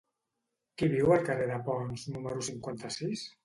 Qui viu al carrer de Ponts número cinquanta-sis?